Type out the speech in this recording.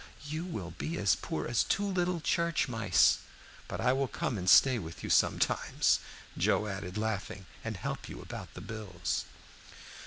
You will be as poor as two little church mice; but I will come and stay with you sometimes," Joe added, laughing, "and help you about the bills."